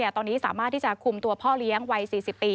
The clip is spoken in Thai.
ตอนนี้สามารถที่จะคุมตัวพ่อเลี้ยงวัย๔๐ปี